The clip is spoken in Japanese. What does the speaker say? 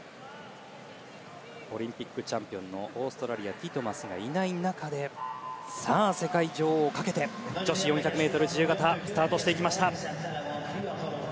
オリンピックチャンピオンオーストラリアティトマスがいない中世界女王をかけて女子４００ｍ自由形がスタートしていきました。